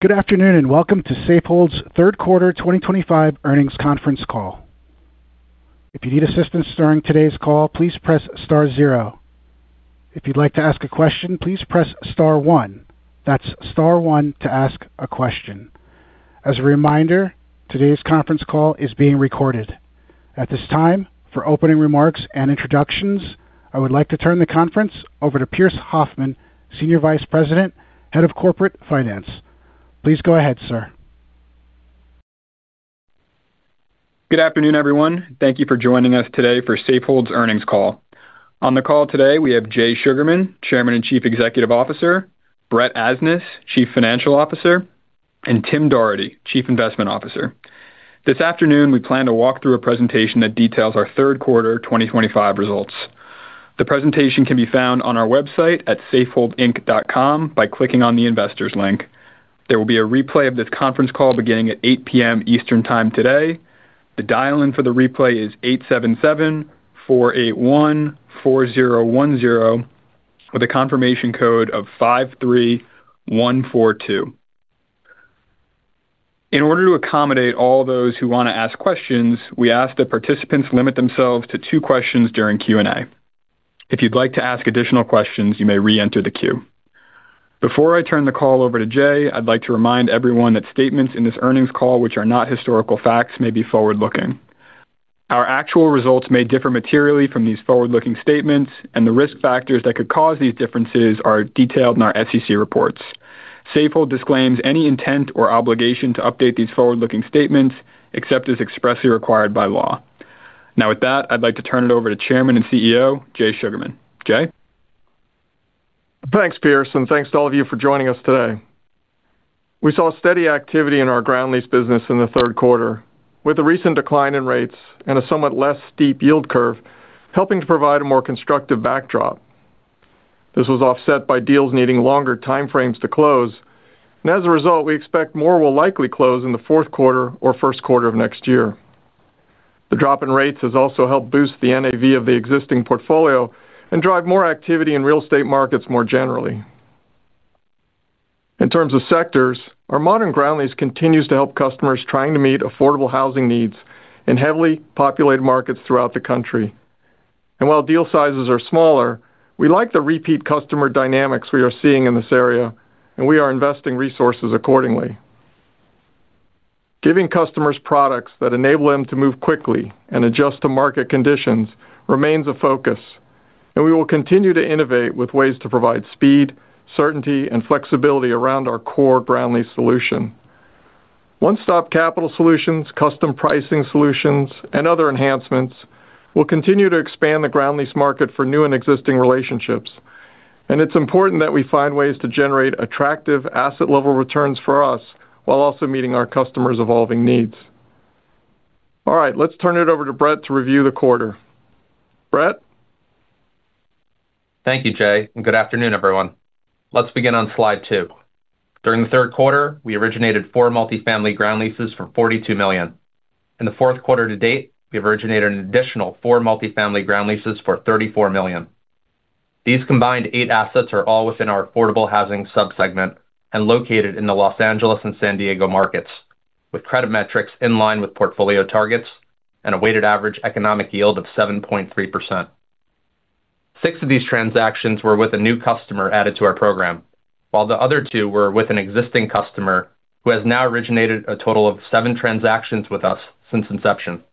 Good afternoon and welcome to Safehold's third quarter 2025 earnings conference call. If you need assistance during today's call, please press star zero. If you'd like to ask a question, please press star one. That's star one to ask a question. As a reminder, today's conference call is being recorded. At this time, for opening remarks and introductions, I would like to turn the conference over to Pierce Hoffman, Senior Vice President, Head of Corporate Finance. Please go ahead, sir. Good afternoon, everyone. Thank you for joining us today for Safehold's earnings call. On the call today, we have Jay Sugarman, Chairman and Chief Executive Officer; Brett Asnas, Chief Financial Officer; and Tim Doherty, Chief Investment Officer. This afternoon, we plan to walk through a presentation that details our third quarter 2025 results. The presentation can be found on our website at safeholdinc.com by clicking on the investors' link. There will be a replay of this conference call beginning at 8:00 P.M. Eastern Time today. The dial-in for the replay is 877-481-4010 with a confirmation code of 53142. In order to accommodate all those who want to ask questions, we ask that participants limit themselves to two questions during Q&A. If you'd like to ask additional questions, you may re-enter the queue. Before I turn the call over to Jay, I'd like to remind everyone that statements in this earnings call, which are not historical facts, may be forward-looking. Our actual results may differ materially from these forward-looking statements, and the risk factors that could cause these differences are detailed in our SEC reports. Safehold disclaims any intent or obligation to update these forward-looking statements except as expressly required by law. Now, with that, I'd like to turn it over to Chairman and CEO, Jay Sugarman. Jay? Thanks, Pierce, and thanks to all of you for joining us today. We saw steady activity in our ground lease business in the third quarter, with a recent decline in rates and a somewhat less steep yield curve helping to provide a more constructive backdrop. This was offset by deals needing longer time frames to close, and as a result, we expect more will likely close in the fourth quarter or first quarter of next year. The drop in rates has also helped boost the NAV of the existing portfolio and drive more activity in real estate markets more generally. In terms of sectors, our modern ground lease continues to help customers trying to meet affordable housing needs in heavily populated markets throughout the country. While deal sizes are smaller, we like the repeat customer dynamics we are seeing in this area, and we are investing resources accordingly. Giving customers products that enable them to move quickly and adjust to market conditions remains a focus, and we will continue to innovate with ways to provide speed, certainty, and flexibility around our core ground lease solution. One Stop Capital Solutions, custom pricing solutions, and other enhancements will continue to expand the ground lease market for new and existing relationships. It is important that we find ways to generate attractive asset-level returns for us while also meeting our customers' evolving needs. All right, let's turn it over to Brett to review the quarter. Brett. Thank you, Jay. And good afternoon, everyone. Let's begin on slide two. During the third quarter, we originated four multifamily ground leases for $42 million. In the fourth quarter to date, we have originated an additional four multifamily ground leases for $34 million. These combined eight assets are all within our affordable housing subsegment and located in the Los Angeles and San Diego markets, with credit metrics in line with portfolio targets and a weighted average economic yield of 7.3%. Six of these transactions were with a new customer added to our program, while the other two were with an existing customer who has now originated a total of seven transactions with us since inception.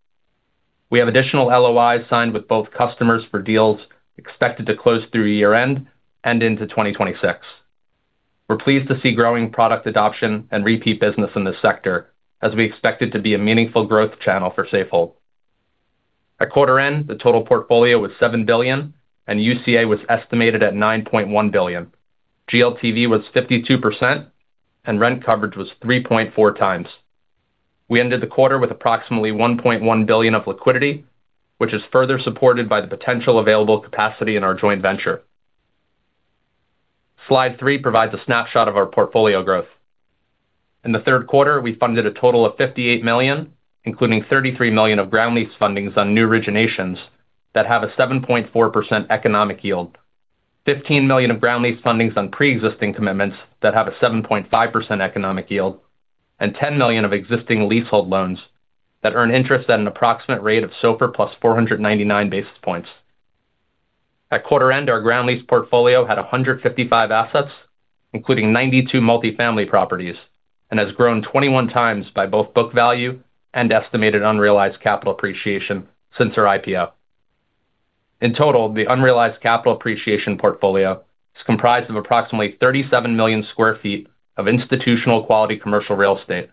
We have additional LOIs signed with both customers for deals expected to close through year-end and into 2026. We're pleased to see growing product adoption and repeat business in this sector, as we expect it to be a meaningful growth channel for Safehold. At quarter-end, the total portfolio was $7 billion, and UCA was estimated at $9.1 billion. GLTV was 52%, and rent coverage was 3.4x. We ended the quarter with approximately $1.1 billion of liquidity, which is further supported by the potential available capacity in our joint venture. Slide three provides a snapshot of our portfolio growth. In the third quarter, we funded a total of $58 million, including $33 million of ground lease fundings on new originations that have a 7.4% economic yield, $15 million of ground lease fundings on pre-existing commitments that have a 7.5% economic yield, and $10 million of existing leasehold loans that earn interest at an approximate rate of SOFR plus 499 basis points. At quarter-end, our ground lease portfolio had 155 assets, including 92 multifamily properties, and has grown 21x by both book value and estimated unrealized capital appreciation since our IPO. In total, the unrealized capital appreciation portfolio is comprised of approximately 37 million sq ft of institutional quality commercial real estate,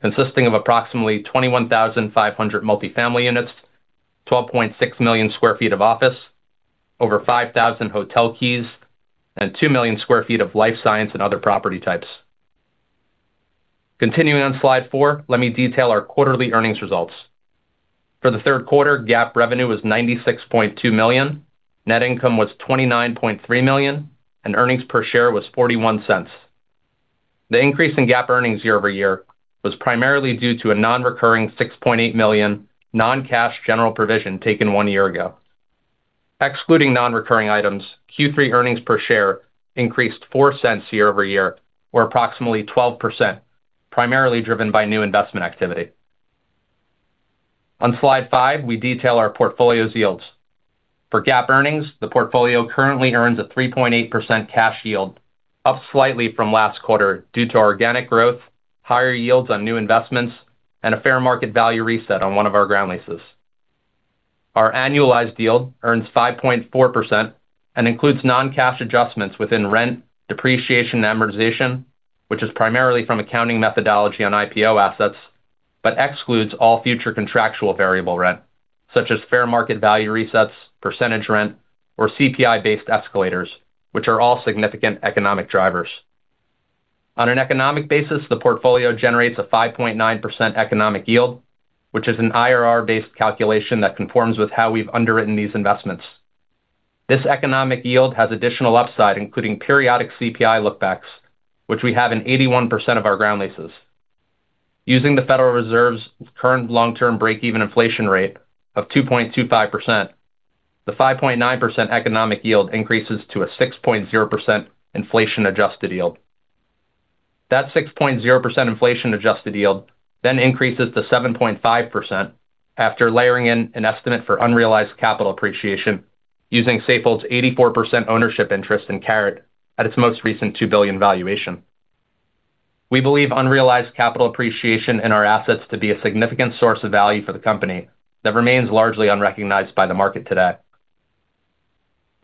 consisting of approximately 21,500 multifamily units, 12.6 million sq ft of office, over 5,000 hotel keys, and 2 million sq ft of life science and other property types. Continuing on slide four, let me detail our quarterly earnings results. For the third quarter, GAAP revenue was $96.2 million, net income was $29.3 million, and earnings per share was $0.41. The increase in GAAP earnings year-over-year was primarily due to a non-recurring $6.8 million non-cash general provision taken one year ago. Excluding non-recurring items, Q3 earnings per share increased 4 cents year-over-year, or approximately 12%, primarily driven by new investment activity. On slide five, we detail our portfolio's yields. For GAAP earnings, the portfolio currently earns a 3.8% cash yield, up slightly from last quarter due to organic growth, higher yields on new investments, and a fair market value reset on one of our ground leases. Our annualized yield earns 5.4% and includes non-cash adjustments within rent, depreciation, and amortization, which is primarily from accounting methodology on IPO assets, but excludes all future contractual variable rent, such as fair market value resets, percentage rent, or CPI-based escalators, which are all significant economic drivers. On an economic basis, the portfolio generates a 5.9% economic yield, which is an IRR-based calculation that conforms with how we've underwritten these investments. This economic yield has additional upside, including periodic CPI look-backs, which we have in 81% of our ground leases. Using the Federal Reserve's current long-term break-even inflation rate of 2.25%, the 5.9% economic yield increases to a 6.0% inflation-adjusted yield. That 6.0% inflation-adjusted yield then increases to 7.5% after layering in an estimate for unrealized capital appreciation using Safehold's 84% ownership interest in Carrot at its most recent $2 billion valuation. We believe unrealized capital appreciation in our assets to be a significant source of value for the company that remains largely unrecognized by the market today.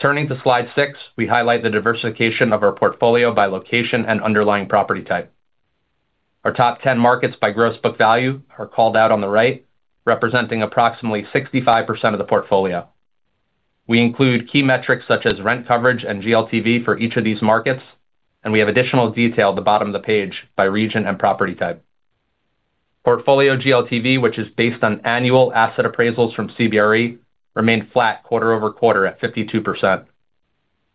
Turning to slide six, we highlight the diversification of our portfolio by location and underlying property type. Our top 10 markets by gross book value are called out on the right, representing approximately 65% of the portfolio. We include key metrics such as rent coverage and GLTV for each of these markets, and we have additional detail at the bottom of the page by region and property type. Portfolio GLTV, which is based on annual asset appraisals from CBRE, remained flat quarter-over-quarter at 52%.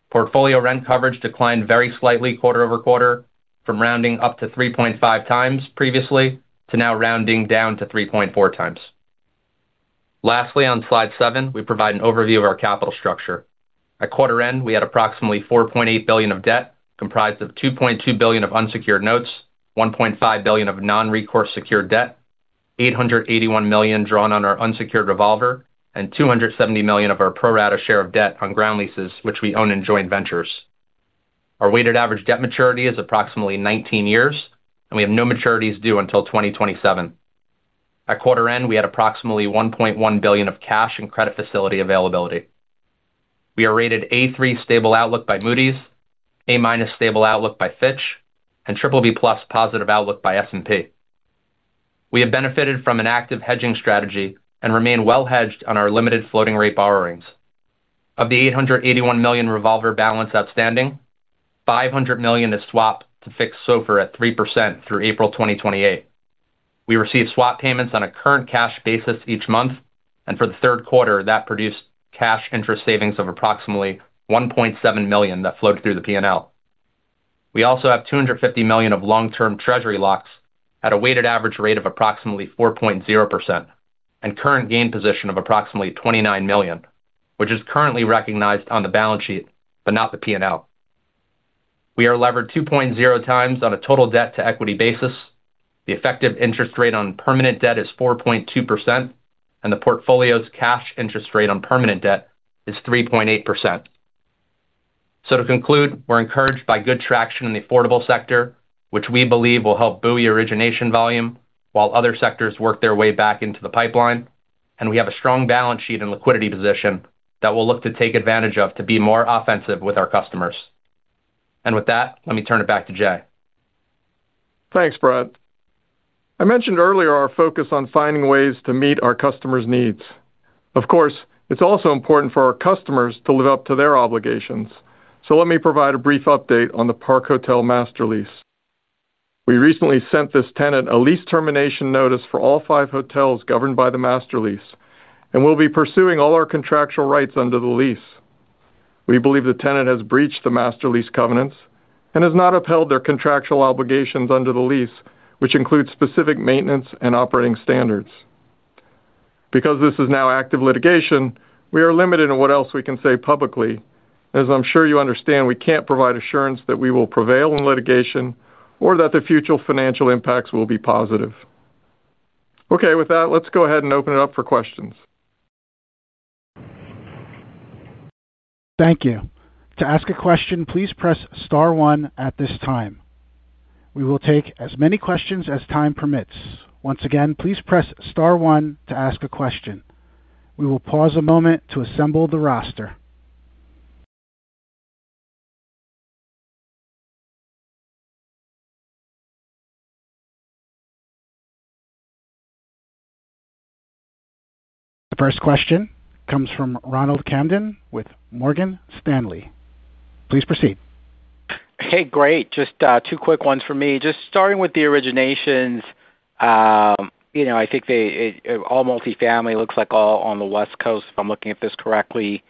Portfolio rent coverage declined very slightly quarter-over-quarter from rounding up to 3.5x previously to now rounding down to 3.4x. Lastly, on slide seven, we provide an overview of our capital structure. At quarter-end, we had approximately $4.8 billion of debt comprised of $2.2 billion of unsecured notes, $1.5 billion of non-recourse secured debt, $881 million drawn on our unsecured revolver, and $270 million of our pro-rata share of debt on ground leases, which we own in joint ventures. Our weighted average debt maturity is approximately 19 years, and we have no maturities due until 2027. At quarter-end, we had approximately $1.1 billion of cash and credit facility availability. We are rated A3 stable outlook by Moody's, A- stable outlook by Fitch, and BBB+ positive outlook by S&P. We have benefited from an active hedging strategy and remain well-hedged on our limited floating-rate borrowings. Of the $881 million revolver balance outstanding, $500 million is swapped to fixed SOFR at 3% through April 2028. We receive swap payments on a current cash basis each month, and for the third quarter, that produced cash interest savings of approximately $1.7 million that flowed through the P&L. We also have $250 million of long-term treasury locks at a weighted average rate of approximately 4.0% and current gain position of approximately $29 million, which is currently recognized on the balance sheet but not the P&L. We are levered 2.0x on a total debt-to-equity basis. The effective interest rate on permanent debt is 4.2%, and the portfolio's cash interest rate on permanent debt is 3.8%. To conclude, we're encouraged by good traction in the affordable sector, which we believe will help boost the origination volume while other sectors work their way back into the pipeline, and we have a strong balance sheet and liquidity position that we'll look to take advantage of to be more offensive with our customers. With that, let me turn it back to Jay. Thanks, Brett. I mentioned earlier our focus on finding ways to meet our customers' needs. Of course, it's also important for our customers to live up to their obligations. Let me provide a brief update on the Park Hotels master lease. We recently sent this tenant a lease termination notice for all five hotels governed by the master lease, and we'll be pursuing all our contractual rights under the lease. We believe the tenant has breached the master lease covenants and has not upheld their contractual obligations under the lease, which includes specific maintenance and operating standards. Because this is now active litigation, we are limited in what else we can say publicly. As I'm sure you understand, we can't provide assurance that we will prevail in litigation or that the future financial impacts will be positive. Okay, with that, let's go ahead and open it up for questions. Thank you. To ask a question, please press star one at this time. We will take as many questions as time permits. Once again, please press star one to ask a question. We will pause a moment to assemble the roster. The first question comes from Ronald Kamdem with Morgan Stanley. Please proceed. Hey, great. Just two quick ones for me. Just starting with the originations. I think all multifamily looks like all on the West Coast, if I'm looking at this correctly.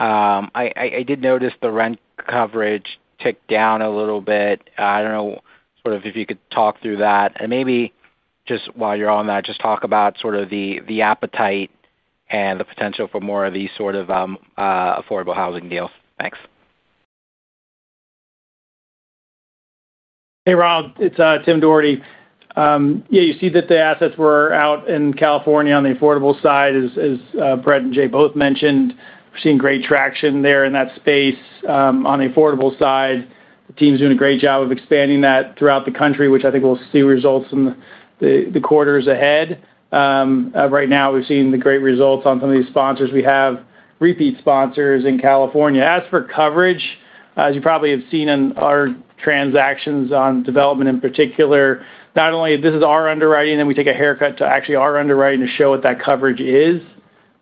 I did notice the rent coverage ticked down a little bit. I don't know sort of if you could talk through that. Maybe just while you're on that, just talk about sort of the appetite and the potential for more of these sort of affordable housing deals. Thanks. Hey, Ronald, it's Tim Doherty. Yeah, you see that the assets were out in California on the affordable side, as Brett and Jay both mentioned. We're seeing great traction there in that space. On the affordable side, the team's doing a great job of expanding that throughout the country, which I think we'll see results in the quarters ahead. Right now, we've seen the great results on some of these sponsors. We have repeat sponsors in California. As for coverage, as you probably have seen in our transactions on development in particular. Not only this is our underwriting, then we take a haircut to actually our underwriting to show what that coverage is.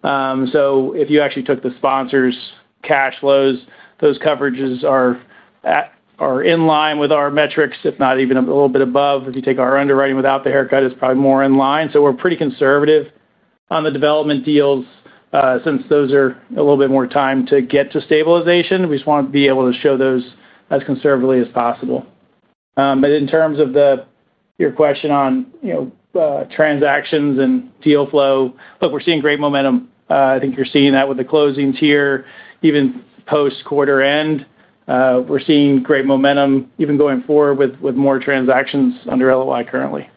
If you actually took the sponsors' cash flows, those coverages are in line with our metrics, if not even a little bit above. If you take our underwriting without the haircut, it's probably more in line. We're pretty conservative on the development deals since those are a little bit more time to get to stabilization. We just want to be able to show those as conservatively as possible. In terms of your question on transactions and deal flow, look, we're seeing great momentum. I think you're seeing that with the closings here, even post-quarter-end. We're seeing great momentum even going forward with more transactions under LOI currently.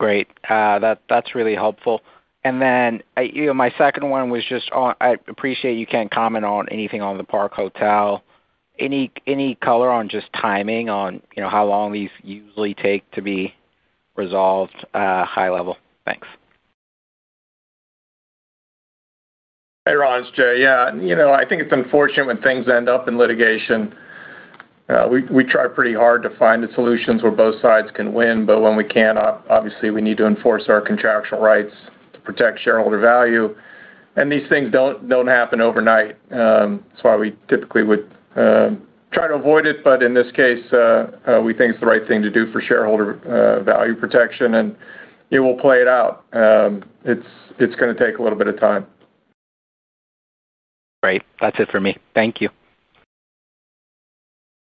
Great. That's really helpful. My second one was just I appreciate you can't comment on anything on the Park Hotels. Any color on just timing on how long these usually take to be resolved? High level. Thanks. Hey, Ron, it's Jay. Yeah, I think it's unfortunate when things end up in litigation. We try pretty hard to find the solutions where both sides can win, but when we cannot, obviously, we need to enforce our contractual rights to protect shareholder value. These things do not happen overnight. That is why we typically would try to avoid it, but in this case, we think it is the right thing to do for shareholder value protection, and we will play it out. It is going to take a little bit of time. Great. That's it for me. Thank you.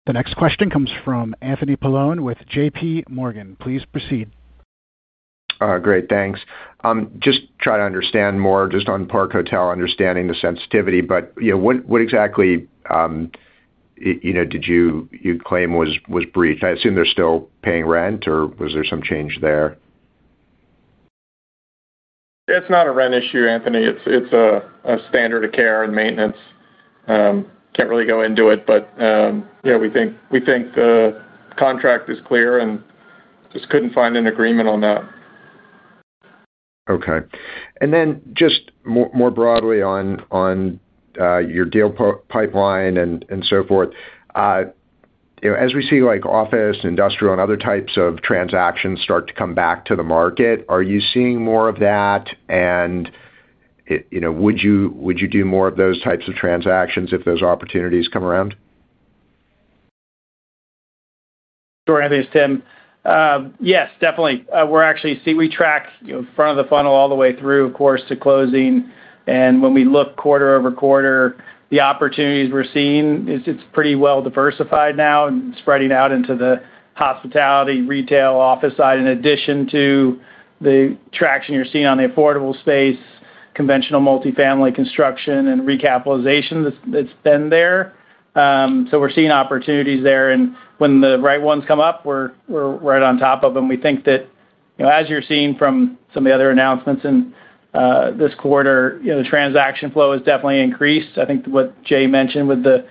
The next question comes from Anthony Paolone with JPMorgan. Please proceed. Great. Thanks. Just trying to understand more just on Park Hotels, understanding the sensitivity, but what exactly did you claim was breached? I assume they're still paying rent, or was there some change there? It's not a rent issue, Anthony. It's a standard of care and maintenance. Can't really go into it, but we think the contract is clear and just couldn't find an agreement on that. Okay. And then just more broadly on your deal pipeline and so forth. As we see office, industrial, and other types of transactions start to come back to the market, are you seeing more of that? Would you do more of those types of transactions if those opportunities come around? Anthony, it is Tim. Yes, definitely. We are actually seeing, we track front of the funnel all the way through, of course, to closing. When we look quarter-over-quarter, the opportunities we are seeing, it is pretty well diversified now and spreading out into the hospitality, retail, office side, in addition to the traction you are seeing on the affordable space, conventional multifamily construction, and recapitalization that has been there. We are seeing opportunities there, and when the right ones come up, we are right on top of them. We think that, as you are seeing from some of the other announcements in this quarter, the transaction flow has definitely increased. I think what Jay mentioned with the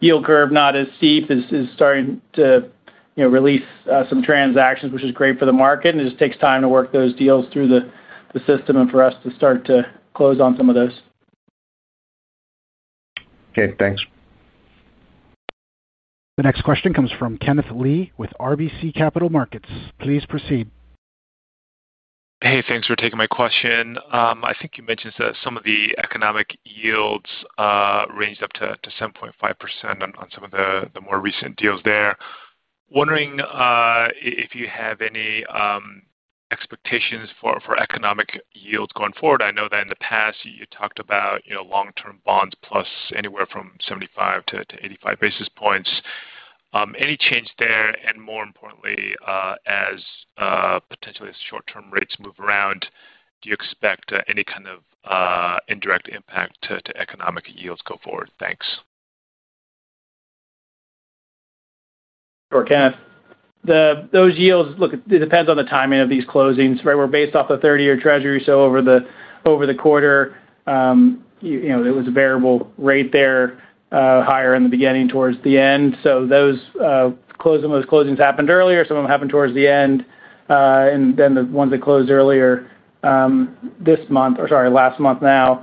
yield curve not as steep is starting to release some transactions, which is great for the market. It just takes time to work those deals through the system and for us to start to close on some of those. Okay. Thanks. The next question comes from Kenneth Lee with RBC Capital Markets. Please proceed. Hey, thanks for taking my question. I think you mentioned some of the economic yields ranged up to 7.5% on some of the more recent deals there. Wondering if you have any expectations for economic yields going forward. I know that in the past, you talked about long-term bonds plus anywhere from 75 basis points-85 basis points. Any change there? More importantly, as potentially short-term rates move around, do you expect any kind of indirect impact to economic yields go forward? Thanks. Sure, Kenneth. Those yields, look, it depends on the timing of these closings. We're based off the 30-year Treasury, so over the quarter. It was a variable rate there, higher in the beginning towards the end. Some of those closings happened earlier. Some of them happened towards the end. The ones that closed earlier this month or sorry, last month now.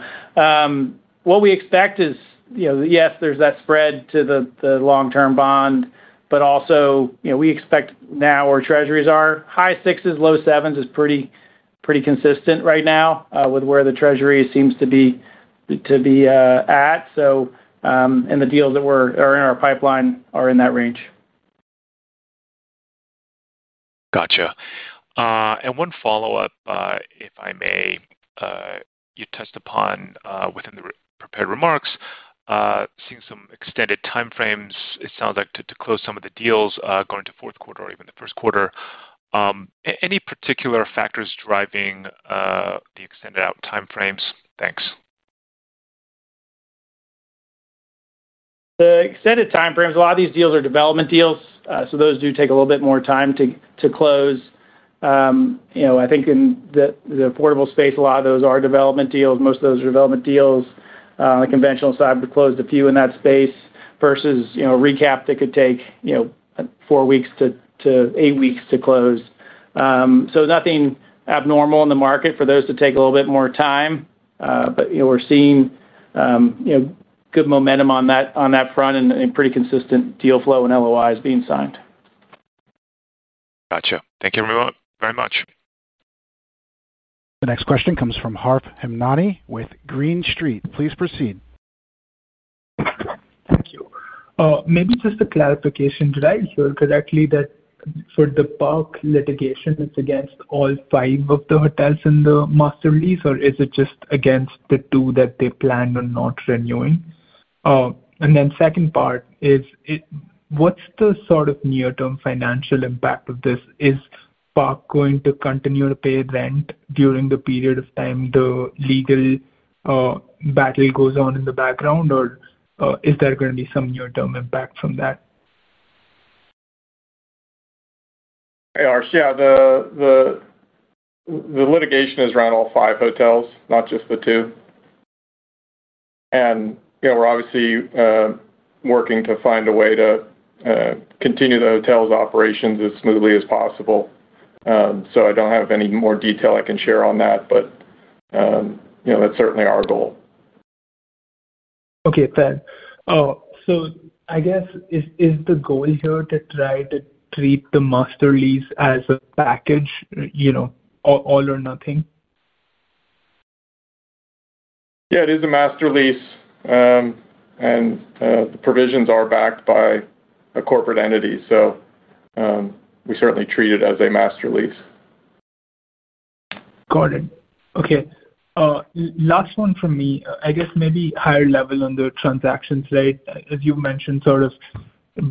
What we expect is, yes, there's that spread to the long-term bond, but also we expect now where Treasuries are, high sixes-low sevens is pretty consistent right now with where the Treasury seems to be at. The deals that are in our pipeline are in that range. Gotcha. One follow-up, if I may. You touched upon within the prepared remarks. Seeing some extended timeframes, it sounds like, to close some of the deals going to fourth quarter or even the first quarter. Any particular factors driving the extended out timeframes? Thanks. The extended timeframes, a lot of these deals are development deals, so those do take a little bit more time to close. I think in the affordable space, a lot of those are development deals. Most of those are development deals. The conventional side closed a few in that space versus recap that could take four weeks to eight weeks to close. Nothing abnormal in the market for those to take a little bit more time, but we're seeing good momentum on that front and pretty consistent deal flow and LOIs being signed. Gotcha. Thank you very much. The next question comes from Harsh Hemnani with Green Street. Please proceed. Thank you. Maybe just a clarification. Did I hear correctly that for the Park litigation, it is against all five of the hotels in the master lease, or is it just against the two that they plan on not renewing? The second part is, what is the sort of near-term financial impact of this? Is Park going to continue to pay rent during the period of time the legal battle goes on in the background, or is there going to be some near-term impact from that? Yeah. The litigation is around all five hotels, not just the two. We are obviously working to find a way to continue the hotel's operations as smoothly as possible. I do not have any more detail I can share on that, but that is certainly our goal. Okay, then. I guess is the goal here to try to treat the master lease as a package. All or nothing? Yeah, it is a master lease. The provisions are backed by a corporate entity. We certainly treat it as a master lease. Got it. Okay. Last one from me. I guess maybe higher level on the transaction side. As you mentioned, sort of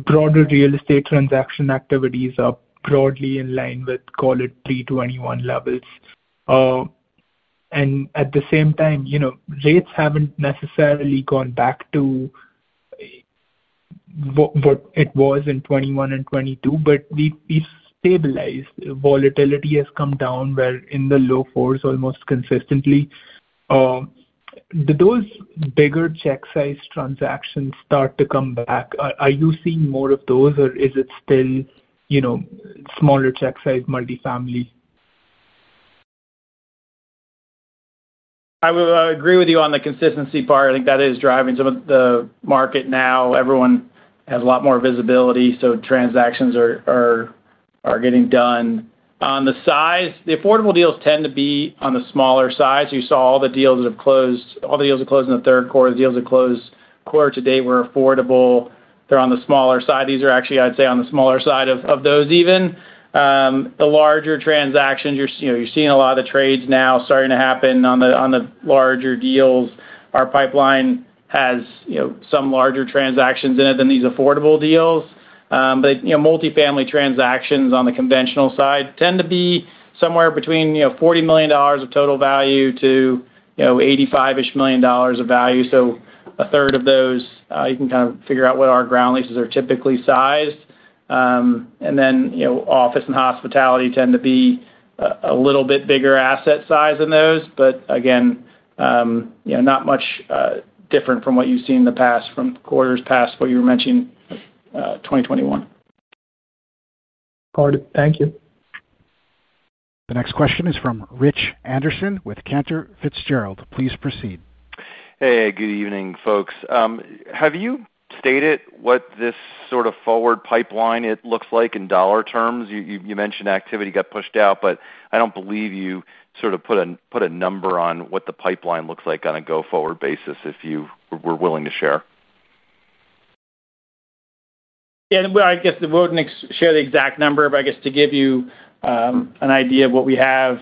broader real estate transaction activities are broadly in line with, call it, 2021 levels. At the same time, rates have not necessarily gone back to what it was in 2021 and 2022, but we have stabilized. Volatility has come down, we are in the low fours almost consistently. Do those bigger check-sized transactions start to come back? Are you seeing more of those, or is it still smaller check-sized multifamily? I would agree with you on the consistency part. I think that is driving some of the market now. Everyone has a lot more visibility, so transactions are getting done. On the size, the affordable deals tend to be on the smaller side. You saw all the deals that have closed—all the deals that closed in the third quarter, the deals that closed quarter to date were affordable. They are on the smaller side. These are actually, I would say, on the smaller side of those even. The larger transactions, you are seeing a lot of trades now starting to happen on the larger deals. Our pipeline has some larger transactions in it than these affordable deals. Multifamily transactions on the conventional side tend to be somewhere between $40 million of total value to $85 million-ish of value. A third of those, you can kind of figure out what our ground leases are typically sized. Office and hospitality tend to be a little bit bigger asset size than those, but again, not much different from what you've seen in the past from quarters past what you were mentioning. 2021. Got it. Thank you. The next question is from Rich Anderson with Cantor Fitzgerald. Please proceed. Hey, good evening, folks. Have you stated what this sort of forward pipeline looks like in dollar terms? You mentioned activity got pushed out, but I do not believe you sort of put a number on what the pipeline looks like on a go-forward basis, if you were willing to share. Yeah. I guess we would not share the exact number, but I guess to give you an idea of what we have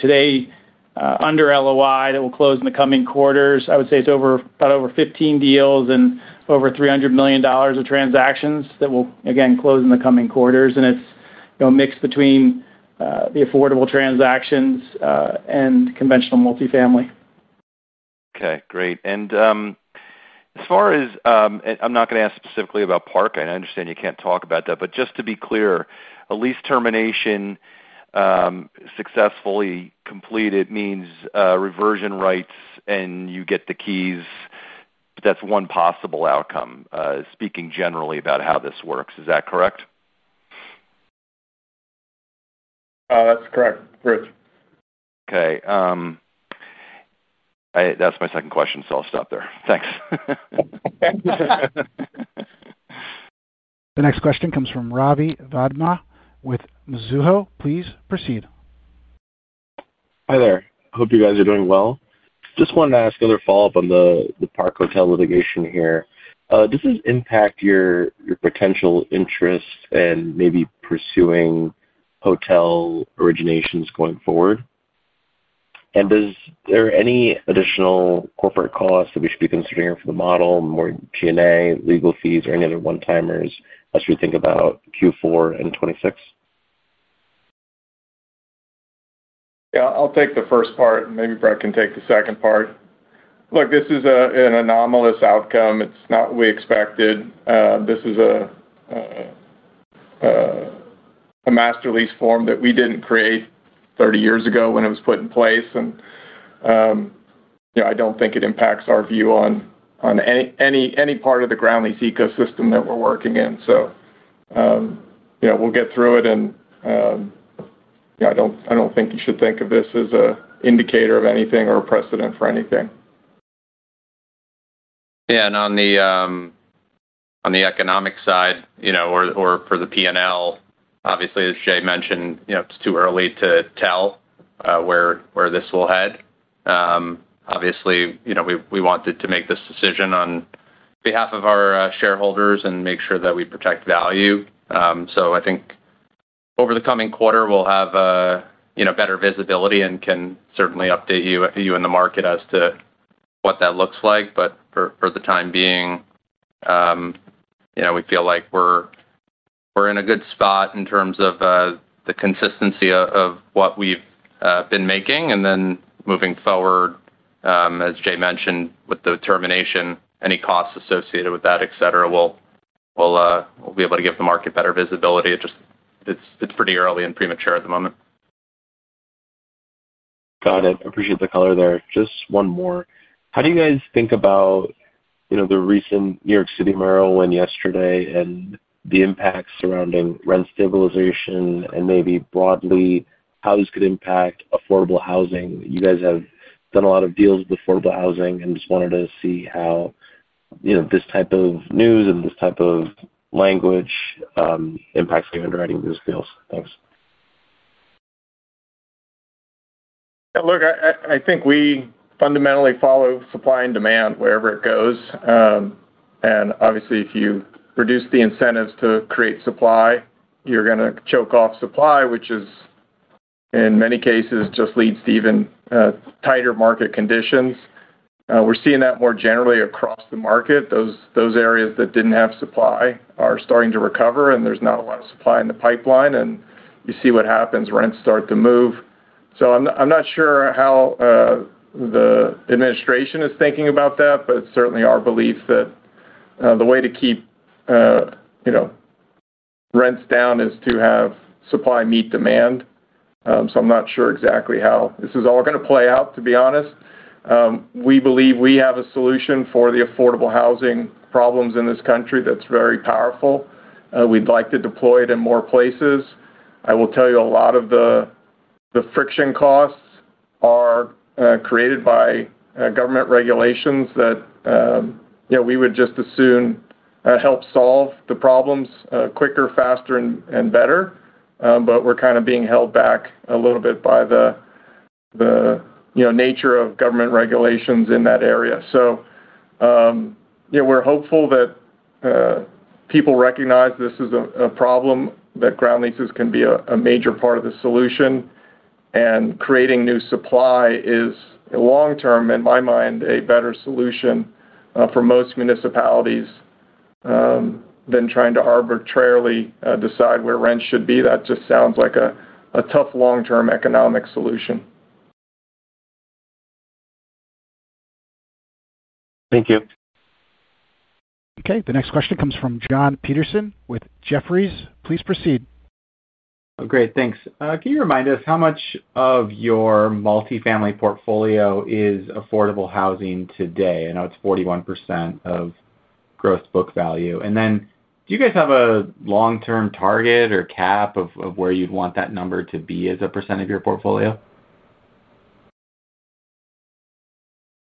today under LOI that will close in the coming quarters, I would say it is about over 15 deals and over $300 million of transactions that will, again, close in the coming quarters. It is a mix between the affordable transactions and conventional multifamily. Okay. Great. As far as—I am not going to ask specifically about Park. I understand you cannot talk about that, but just to be clear, a lease termination successfully completed means reversion rights, and you get the keys. That is one possible outcome, speaking generally about how this works. Is that correct? That's correct. Correct. Okay. That's my second question, so I'll stop there. Thanks. The next question comes from Ravi Vaidya with Mizuho. Please proceed. Hi there. Hope you guys are doing well. Just wanted to ask another follow-up on the Park Hotels & Resorts litigation here. Does this impact your potential interest in maybe pursuing hotel originations going forward? Is there any additional corporate costs that we should be considering for the model, more G&A, legal fees, or any other one-timers as we think about Q4 and 2026? Yeah. I'll take the first part, and maybe Brett can take the second part. Look, this is an anomalous outcome. It's not what we expected. This is a master lease form that we didn't create 30 years ago when it was put in place. I don't think it impacts our view on any part of the ground lease ecosystem that we're working in. We'll get through it. I don't think you should think of this as an indicator of anything or a precedent for anything. Yeah. On the economic side, or for the P&L, obviously, as Jay mentioned, it's too early to tell where this will head. Obviously, we wanted to make this decision on behalf of our shareholders and make sure that we protect value. I think over the coming quarter, we'll have better visibility and can certainly update you and the market as to what that looks like. For the time being, we feel like we're in a good spot in terms of the consistency of what we've been making. Moving forward, as Jay mentioned, with the termination, any costs associated with that, etc., we'll be able to give the market better visibility. It's pretty early and premature at the moment. Got it. I appreciate the color there. Just one more. How do you guys think about the recent New York City mural went yesterday and the impact surrounding rent stabilization and maybe broadly how this could impact affordable housing? You guys have done a lot of deals with affordable housing and just wanted to see how this type of news and this type of language impacts your underwriting of those deals. Thanks. Look, I think we fundamentally follow supply and demand wherever it goes. Obviously, if you reduce the incentives to create supply, you're going to choke off supply, which is, in many cases, just leads to even tighter market conditions. We're seeing that more generally across the market. Those areas that didn't have supply are starting to recover, and there's not a lot of supply in the pipeline. You see what happens. Rents start to move. I'm not sure how the administration is thinking about that, but it's certainly our belief that the way to keep rents down is to have supply meet demand. I'm not sure exactly how this is all going to play out, to be honest. We believe we have a solution for the affordable housing problems in this country that's very powerful. We'd like to deploy it in more places. I will tell you a lot of the friction costs are created by government regulations that we would just as soon help solve the problems quicker, faster, and better. We're kind of being held back a little bit by the nature of government regulations in that area. We're hopeful that people recognize this as a problem, that ground leases can be a major part of the solution. Creating new supply is, long-term, in my mind, a better solution for most municipalities than trying to arbitrarily decide where rent should be. That just sounds like a tough long-term economic solution. Thank you. Okay. The next question comes from Jon Petersen with Jefferies. Please proceed. Oh, great. Thanks. Can you remind us how much of your multifamily portfolio is affordable housing today? I know it's 41% of gross book value. And then do you guys have a long-term target or cap of where you'd want that number to be as a percent of your portfolio?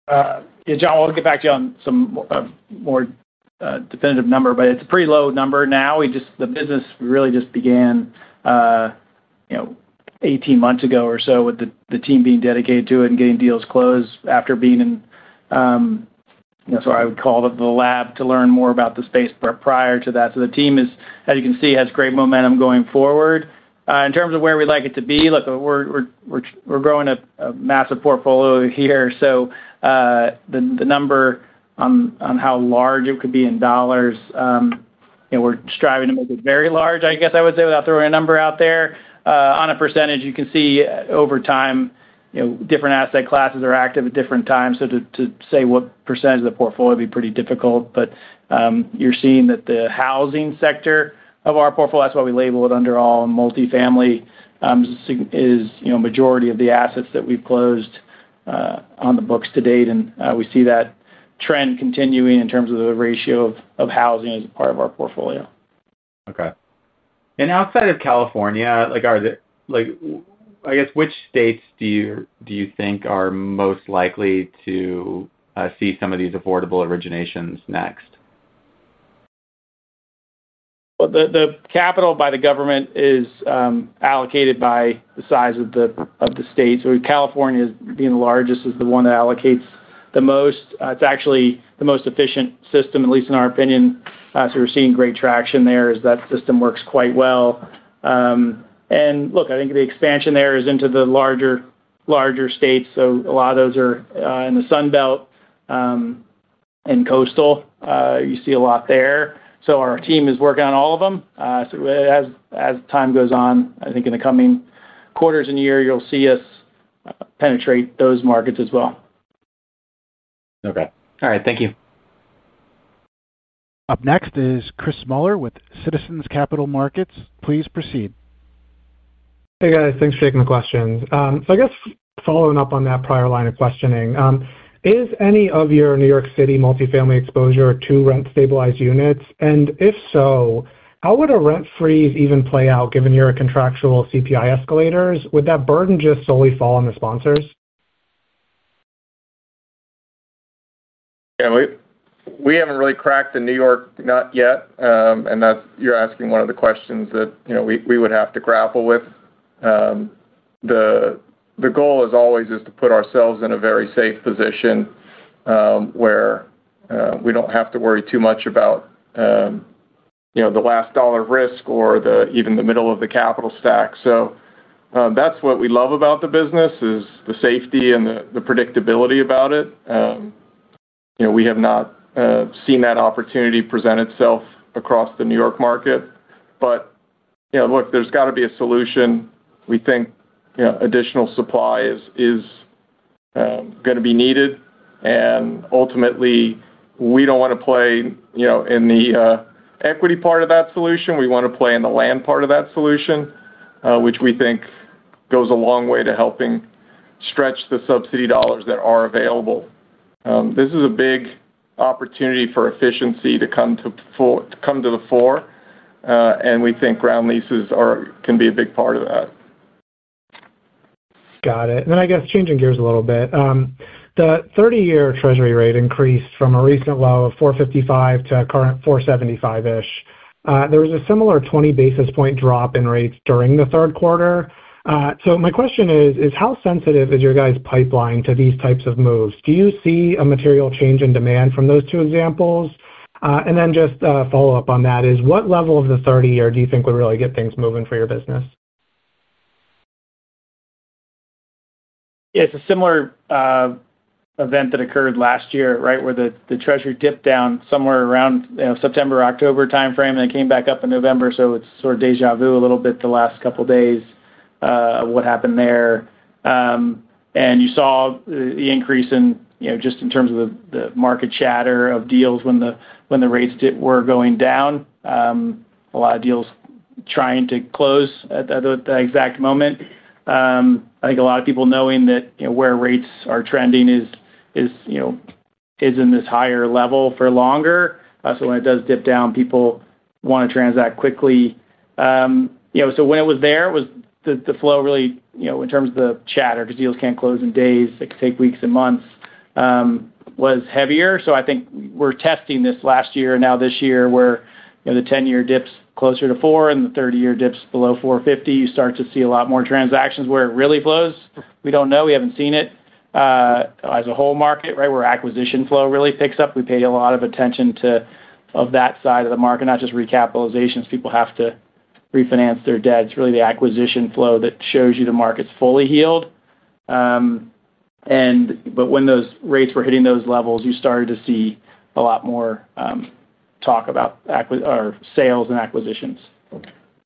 Yeah, Jon, I'll get back to you on some more definitive number, but it's a pretty low number now. The business really just began 18 months ago or so with the team being dedicated to it and getting deals closed after being in, I would call it, the lab to learn more about the space prior to that. The team is, as you can see, has great momentum going forward. In terms of where we'd like it to be, look, we're growing a massive portfolio here. The number on how large it could be in dollars, we're striving to make it very large, I guess I would say, without throwing a number out there. On a percentage, you can see over time, different asset classes are active at different times. To say what percentage of the portfolio would be pretty difficult. You are seeing that the housing sector of our portfolio, that is why we label it under all multifamily, is the majority of the assets that we have closed on the books to date. We see that trend continuing in terms of the ratio of housing as a part of our portfolio. Okay. Outside of California, are there—I guess, which states do you think are most likely to see some of these affordable originations next? The capital by the government is allocated by the size of the state. California is being the largest as the one that allocates the most. It is actually the most efficient system, at least in our opinion. We are seeing great traction there as that system works quite well. I think the expansion there is into the larger states. A lot of those are in the Sunbelt and coastal. You see a lot there. Our team is working on all of them. As time goes on, I think in the coming quarters and year, you will see us penetrate those markets as well. Okay. All right. Thank you. Up next is Chris Miller with Citizens Capital Markets. Please proceed. Hey, guys. Thanks for taking the questions. I guess following up on that prior line of questioning, is any of your New York City multifamily exposure to rent stabilized units? If so, how would a rent freeze even play out given your contractual CPI escalators? Would that burden just solely fall on the sponsors? Yeah. We haven't really cracked the New York nut yet. You're asking one of the questions that we would have to grapple with. The goal is always to put ourselves in a very safe position where we don't have to worry too much about the last dollar risk or even the middle of the capital stack. That's what we love about the business, the safety and the predictability about it. We have not seen that opportunity present itself across the New York market. Look, there's got to be a solution. We think additional supply is going to be needed. Ultimately, we don't want to play in the equity part of that solution. We want to play in the land part of that solution, which we think goes a long way to helping stretch the subsidy dollars that are available. This is a big opportunity for efficiency to come to the fore. We think ground leases can be a big part of that. Got it. And then I guess changing gears a little bit. The 30-year treasury rate increased from a recent low of 4.55 to a current 4.75-ish. There was a similar 20 basis point drop in rates during the third quarter. So my question is, how sensitive is your guys' pipeline to these types of moves? Do you see a material change in demand from those two examples? And then just a follow-up on that is, what level of the 30-year do you think would really get things moving for your business? Yeah. It is a similar event that occurred last year, right, where the treasury dipped down somewhere around September, October timeframe, and it came back up in November. It is sort of déjà vu a little bit the last couple of days of what happened there. You saw the increase just in terms of the market chatter of deals when the rates were going down. A lot of deals trying to close at the exact moment. I think a lot of people knowing that where rates are trending is in this higher level for longer. When it does dip down, people want to transact quickly. When it was there, the flow really, in terms of the chatter because deals cannot close in days, it could take weeks and months, was heavier. I think we're testing this last year and now this year where the 10-year dips closer to 4 and the 30-year dips below 4.50, you start to see a lot more transactions where it really flows. We don't know. We haven't seen it. As a whole market, right, where acquisition flow really picks up, we pay a lot of attention. Of that side of the market, not just recapitalization as people have to refinance their debt. It's really the acquisition flow that shows you the market's fully healed. When those rates were hitting those levels, you started to see a lot more talk about sales and acquisitions.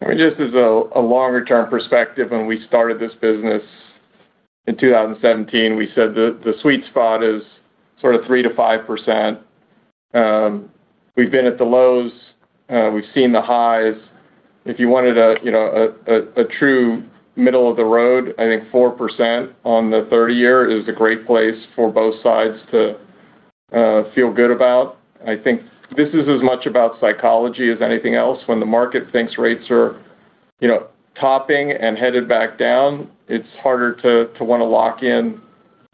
I mean, just as a longer-term perspective, when we started this business in 2017, we said the sweet spot is sort of 3%-5%. We've been at the lows. We've seen the highs. If you wanted a true middle of the road, I think 4% on the 30-year is a great place for both sides to feel good about. I think this is as much about psychology as anything else. When the market thinks rates are topping and headed back down, it's harder to want to lock in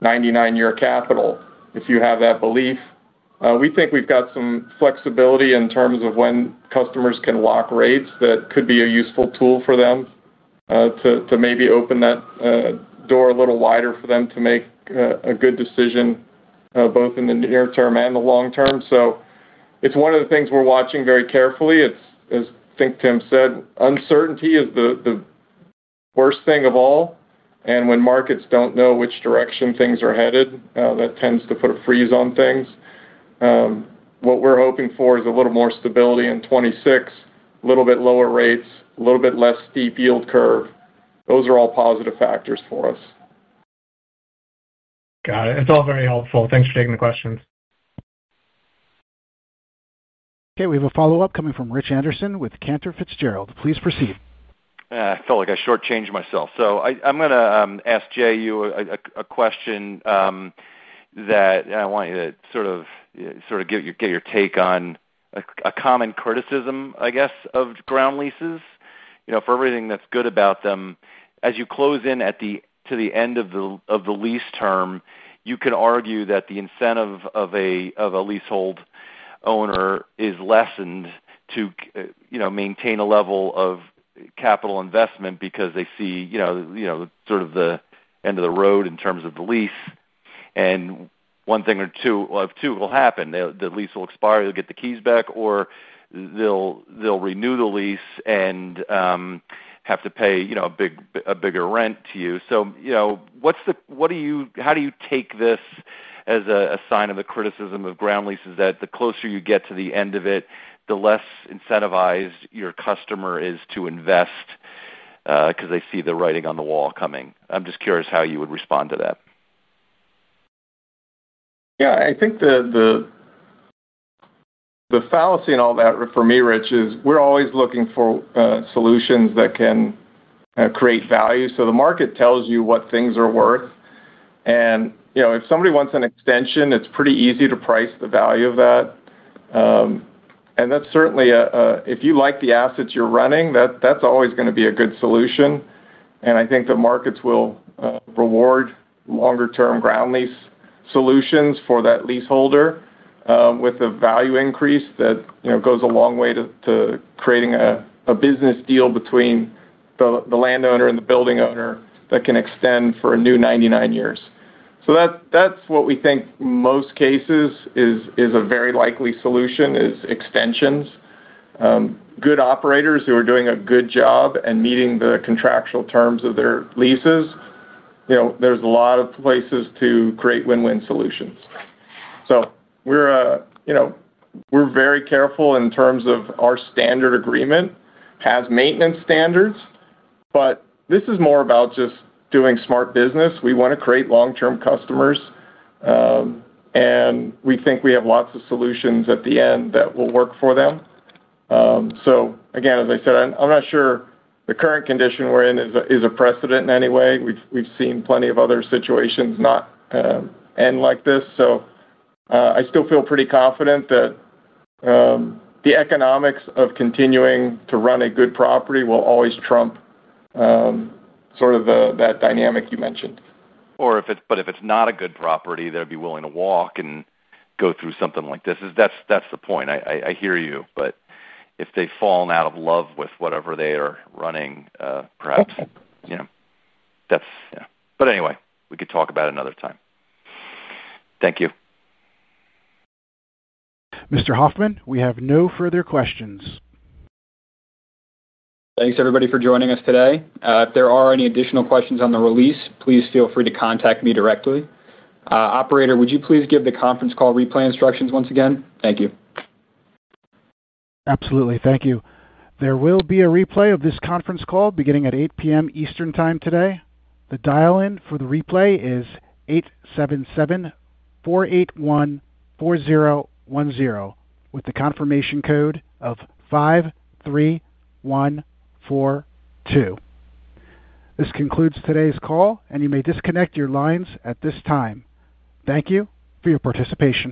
99-year capital if you have that belief. We think we've got some flexibility in terms of when customers can lock rates that could be a useful tool for them to maybe open that door a little wider for them to make a good decision, both in the near term and the long term. It is one of the things we are watching very carefully. As I think Tim said, uncertainty is the worst thing of all. When markets do not know which direction things are headed, that tends to put a freeze on things. What we are hoping for is a little more stability in 2026, a little bit lower rates, a little bit less steep yield curve. Those are all positive factors for us. Got it. It's all very helpful. Thanks for taking the questions. Okay. We have a follow-up coming from Rich Anderson with Cantor Fitzgerald. Please proceed. I felt like I shortchanged myself. So I'm going to ask Jay you a question. That I want you to sort of. Get your take on. A common criticism, I guess, of ground leases. For everything that's good about them, as you close in to the end of the lease term, you can argue that the incentive of a leasehold owner is lessened to. Maintain a level of. Capital investment because they see. Sort of the end of the road in terms of the lease. And one thing or two will happen. The lease will expire. You'll get the keys back, or they'll renew the lease and. Have to pay a bigger rent to you. So what do you—how do you take this as a sign of the criticism of ground leases? That the closer you get to the end of it, the less incentivized your customer is to invest. Because they see the writing on the wall coming. I'm just curious how you would respond to that. Yeah. I think the fallacy in all that for me, Rich, is we're always looking for solutions that can create value. The market tells you what things are worth. If somebody wants an extension, it's pretty easy to price the value of that. If you like the assets you're running, that's always going to be a good solution. I think the markets will reward longer-term ground lease solutions for that leaseholder with a value increase that goes a long way to creating a business deal between the landowner and the building owner that can extend for a new 99 years. That's what we think most cases is a very likely solution, is extensions. Good operators who are doing a good job and meeting the contractual terms of their leases. There's a lot of places to create win-win solutions. We are very careful in terms of our standard agreement, has maintenance standards. This is more about just doing smart business. We want to create long-term customers. We think we have lots of solutions at the end that will work for them. Again, as I said, I am not sure the current condition we are in is a precedent in any way. We have seen plenty of other situations not end like this. I still feel pretty confident that the economics of continuing to run a good property will always trump sort of that dynamic you mentioned. If it's not a good property, they'd be willing to walk and go through something like this. That's the point. I hear you. If they've fallen out of love with whatever they are running, perhaps. Yeah. Anyway, we could talk about it another time. Thank you. Mr. Hoffmann, we have no further questions. Thanks, everybody, for joining us today. If there are any additional questions on the release, please feel free to contact me directly. Operator, would you please give the conference call replay instructions once again? Thank you. Absolutely. Thank you. There will be a replay of this conference call beginning at 8:00 P.M. Eastern Time today. The dial-in for the replay is 877-481-4010 with the confirmation code of 53142. This concludes today's call, and you may disconnect your lines at this time. Thank you for your participation.